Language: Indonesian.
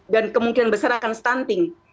dan kemungkinan besar akan stunting